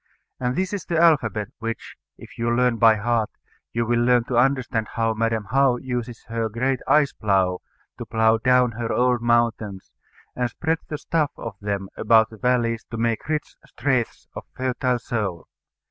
And this is the alphabet, which, if you learn by heart, you will learn to understand how Madam How uses her great ice plough to plough down her old mountains, and spread the stuff of them about the valleys to make rich straths of fertile soil.